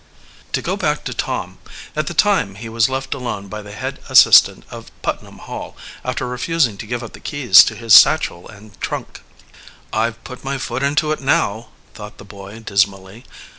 To go back to Tom, at the time he was left alone by the head assistant of Putnam Hall, after refusing to give up the keys to his satchel and trunk. "I've put my foot into it now," thought the boy dismally.